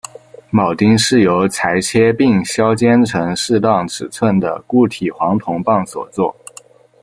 铆钉是由裁切并削尖成适当尺寸的固体黄铜棒所做。